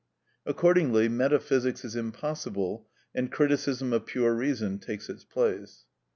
Accordingly metaphysics is impossible, and criticism of pure reason takes its place.